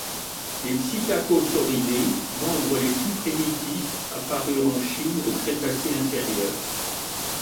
Les psittacosauridés, membres les plus primitifs, apparurent en Chine au Crétacé inférieur.